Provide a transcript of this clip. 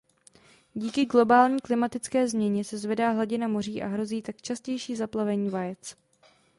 Díky globální klimatické změně se zvedá hladina moří a hrozí tak častější zaplavení vajec.